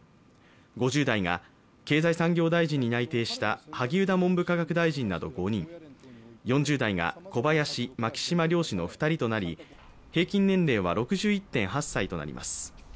５０代が経済産業大臣に内定した萩生田文部科学大臣など５人、４０代が小林、牧島両氏の２人となり、平均年齢は６１．８歳となります